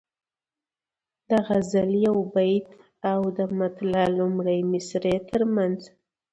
د غزل یو بیت او د مطلع لومړۍ مصرع ترمنځ.